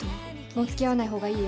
もう付き合わないほうがいいよ。